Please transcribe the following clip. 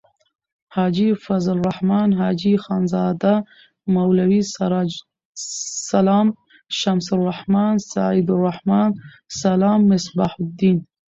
حاجی فضل الرحمن. حاجی خانزاده. مولوی سراج السلام. شمس الرحمن. سعیدالرحمن.سلام.مصباح الدین